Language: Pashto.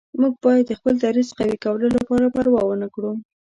موږ باید د خپل دریځ قوي کولو لپاره پروا ونه کړو.